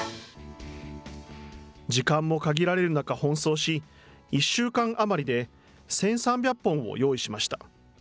時間も限られる中、奔走し１週間余りで１３００本を用意しました。